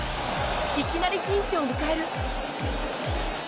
いきなりピンチを迎える。